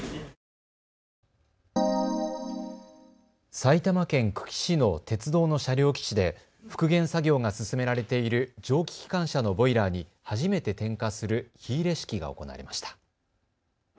埼玉県久喜市の鉄道の車両基地で復元作業が進められている蒸気機関車のボイラーに初めて点火する火入れ式が行われました。